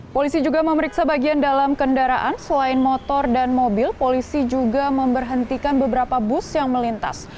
polisi juga memeriksa bagian dalam kendaraan selain motor dan mobil polisi juga memberhentikan beberapa bus yang melintas